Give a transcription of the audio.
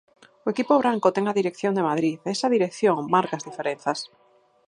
O equipo branco ten a dirección de Madrid, e esa dirección marca as diferenzas.